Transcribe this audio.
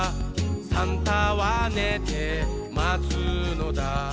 「サンタはねてまつのだ」